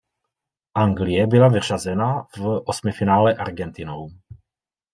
Anglie byla vyřazena v osmifinále Argentinou.